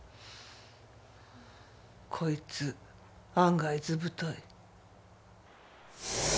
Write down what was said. こいつ案外図太い。